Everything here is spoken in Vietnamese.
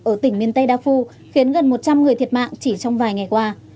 ở tỉnh miền tây đa phu khiến gần một trăm linh người thiệt mạng chỉ trong vài ngày qua